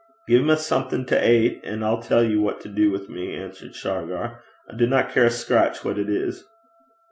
'Gie me something to ate, an' I'll tell ye what to do wi' me,' answered Shargar. 'I dinna care a scart (scratch) what it is.'